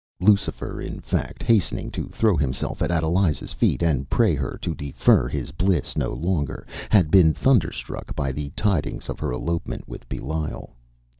Lucifer, in fact, hastening to throw himself at Adeliza’s feet and pray her to defer his bliss no longer, had been thunderstruck by the tidings of her elopement with Belial.